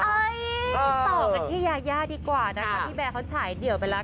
ต่อกันที่ยายาดีกว่านะคะพี่แบร์เขาฉายเดี่ยวไปแล้ว